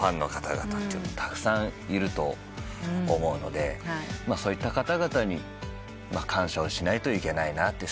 たくさんいると思うのでそういった方々に感謝をしないといけないなと。